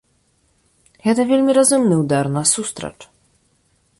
Гэта вельмі разумны ўдар насустрач.